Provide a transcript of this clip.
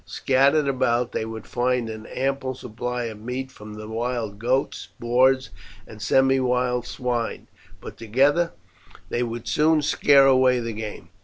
Scattered about they would find an ample supply of meat from the wild goats, boars and semi wild swine, but together, they would soon scare away the game.